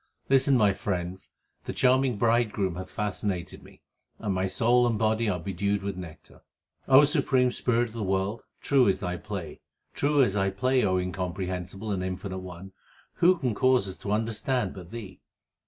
Listen, my friends, the charming Bridegroom hath fasci nated me, and my soul and body are bedewed with nectar. O Supreme Spirit of the world, True is Thy play : True is Thy play, O Incomprehensible and Infinite One ; who can cause us to understand but Thee